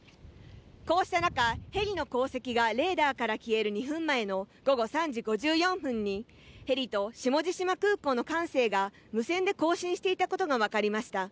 こうした中、ヘリの航跡がレーダーから消える２分前の午後３時５４分にヘリと下地島空港の管制が無線で交信していたことがわかりました。